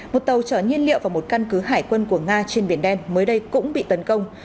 một tàu chở nhiên liệu vào một căn cứ hải quân của nga trên biển đen mới đây cũng bị tấn công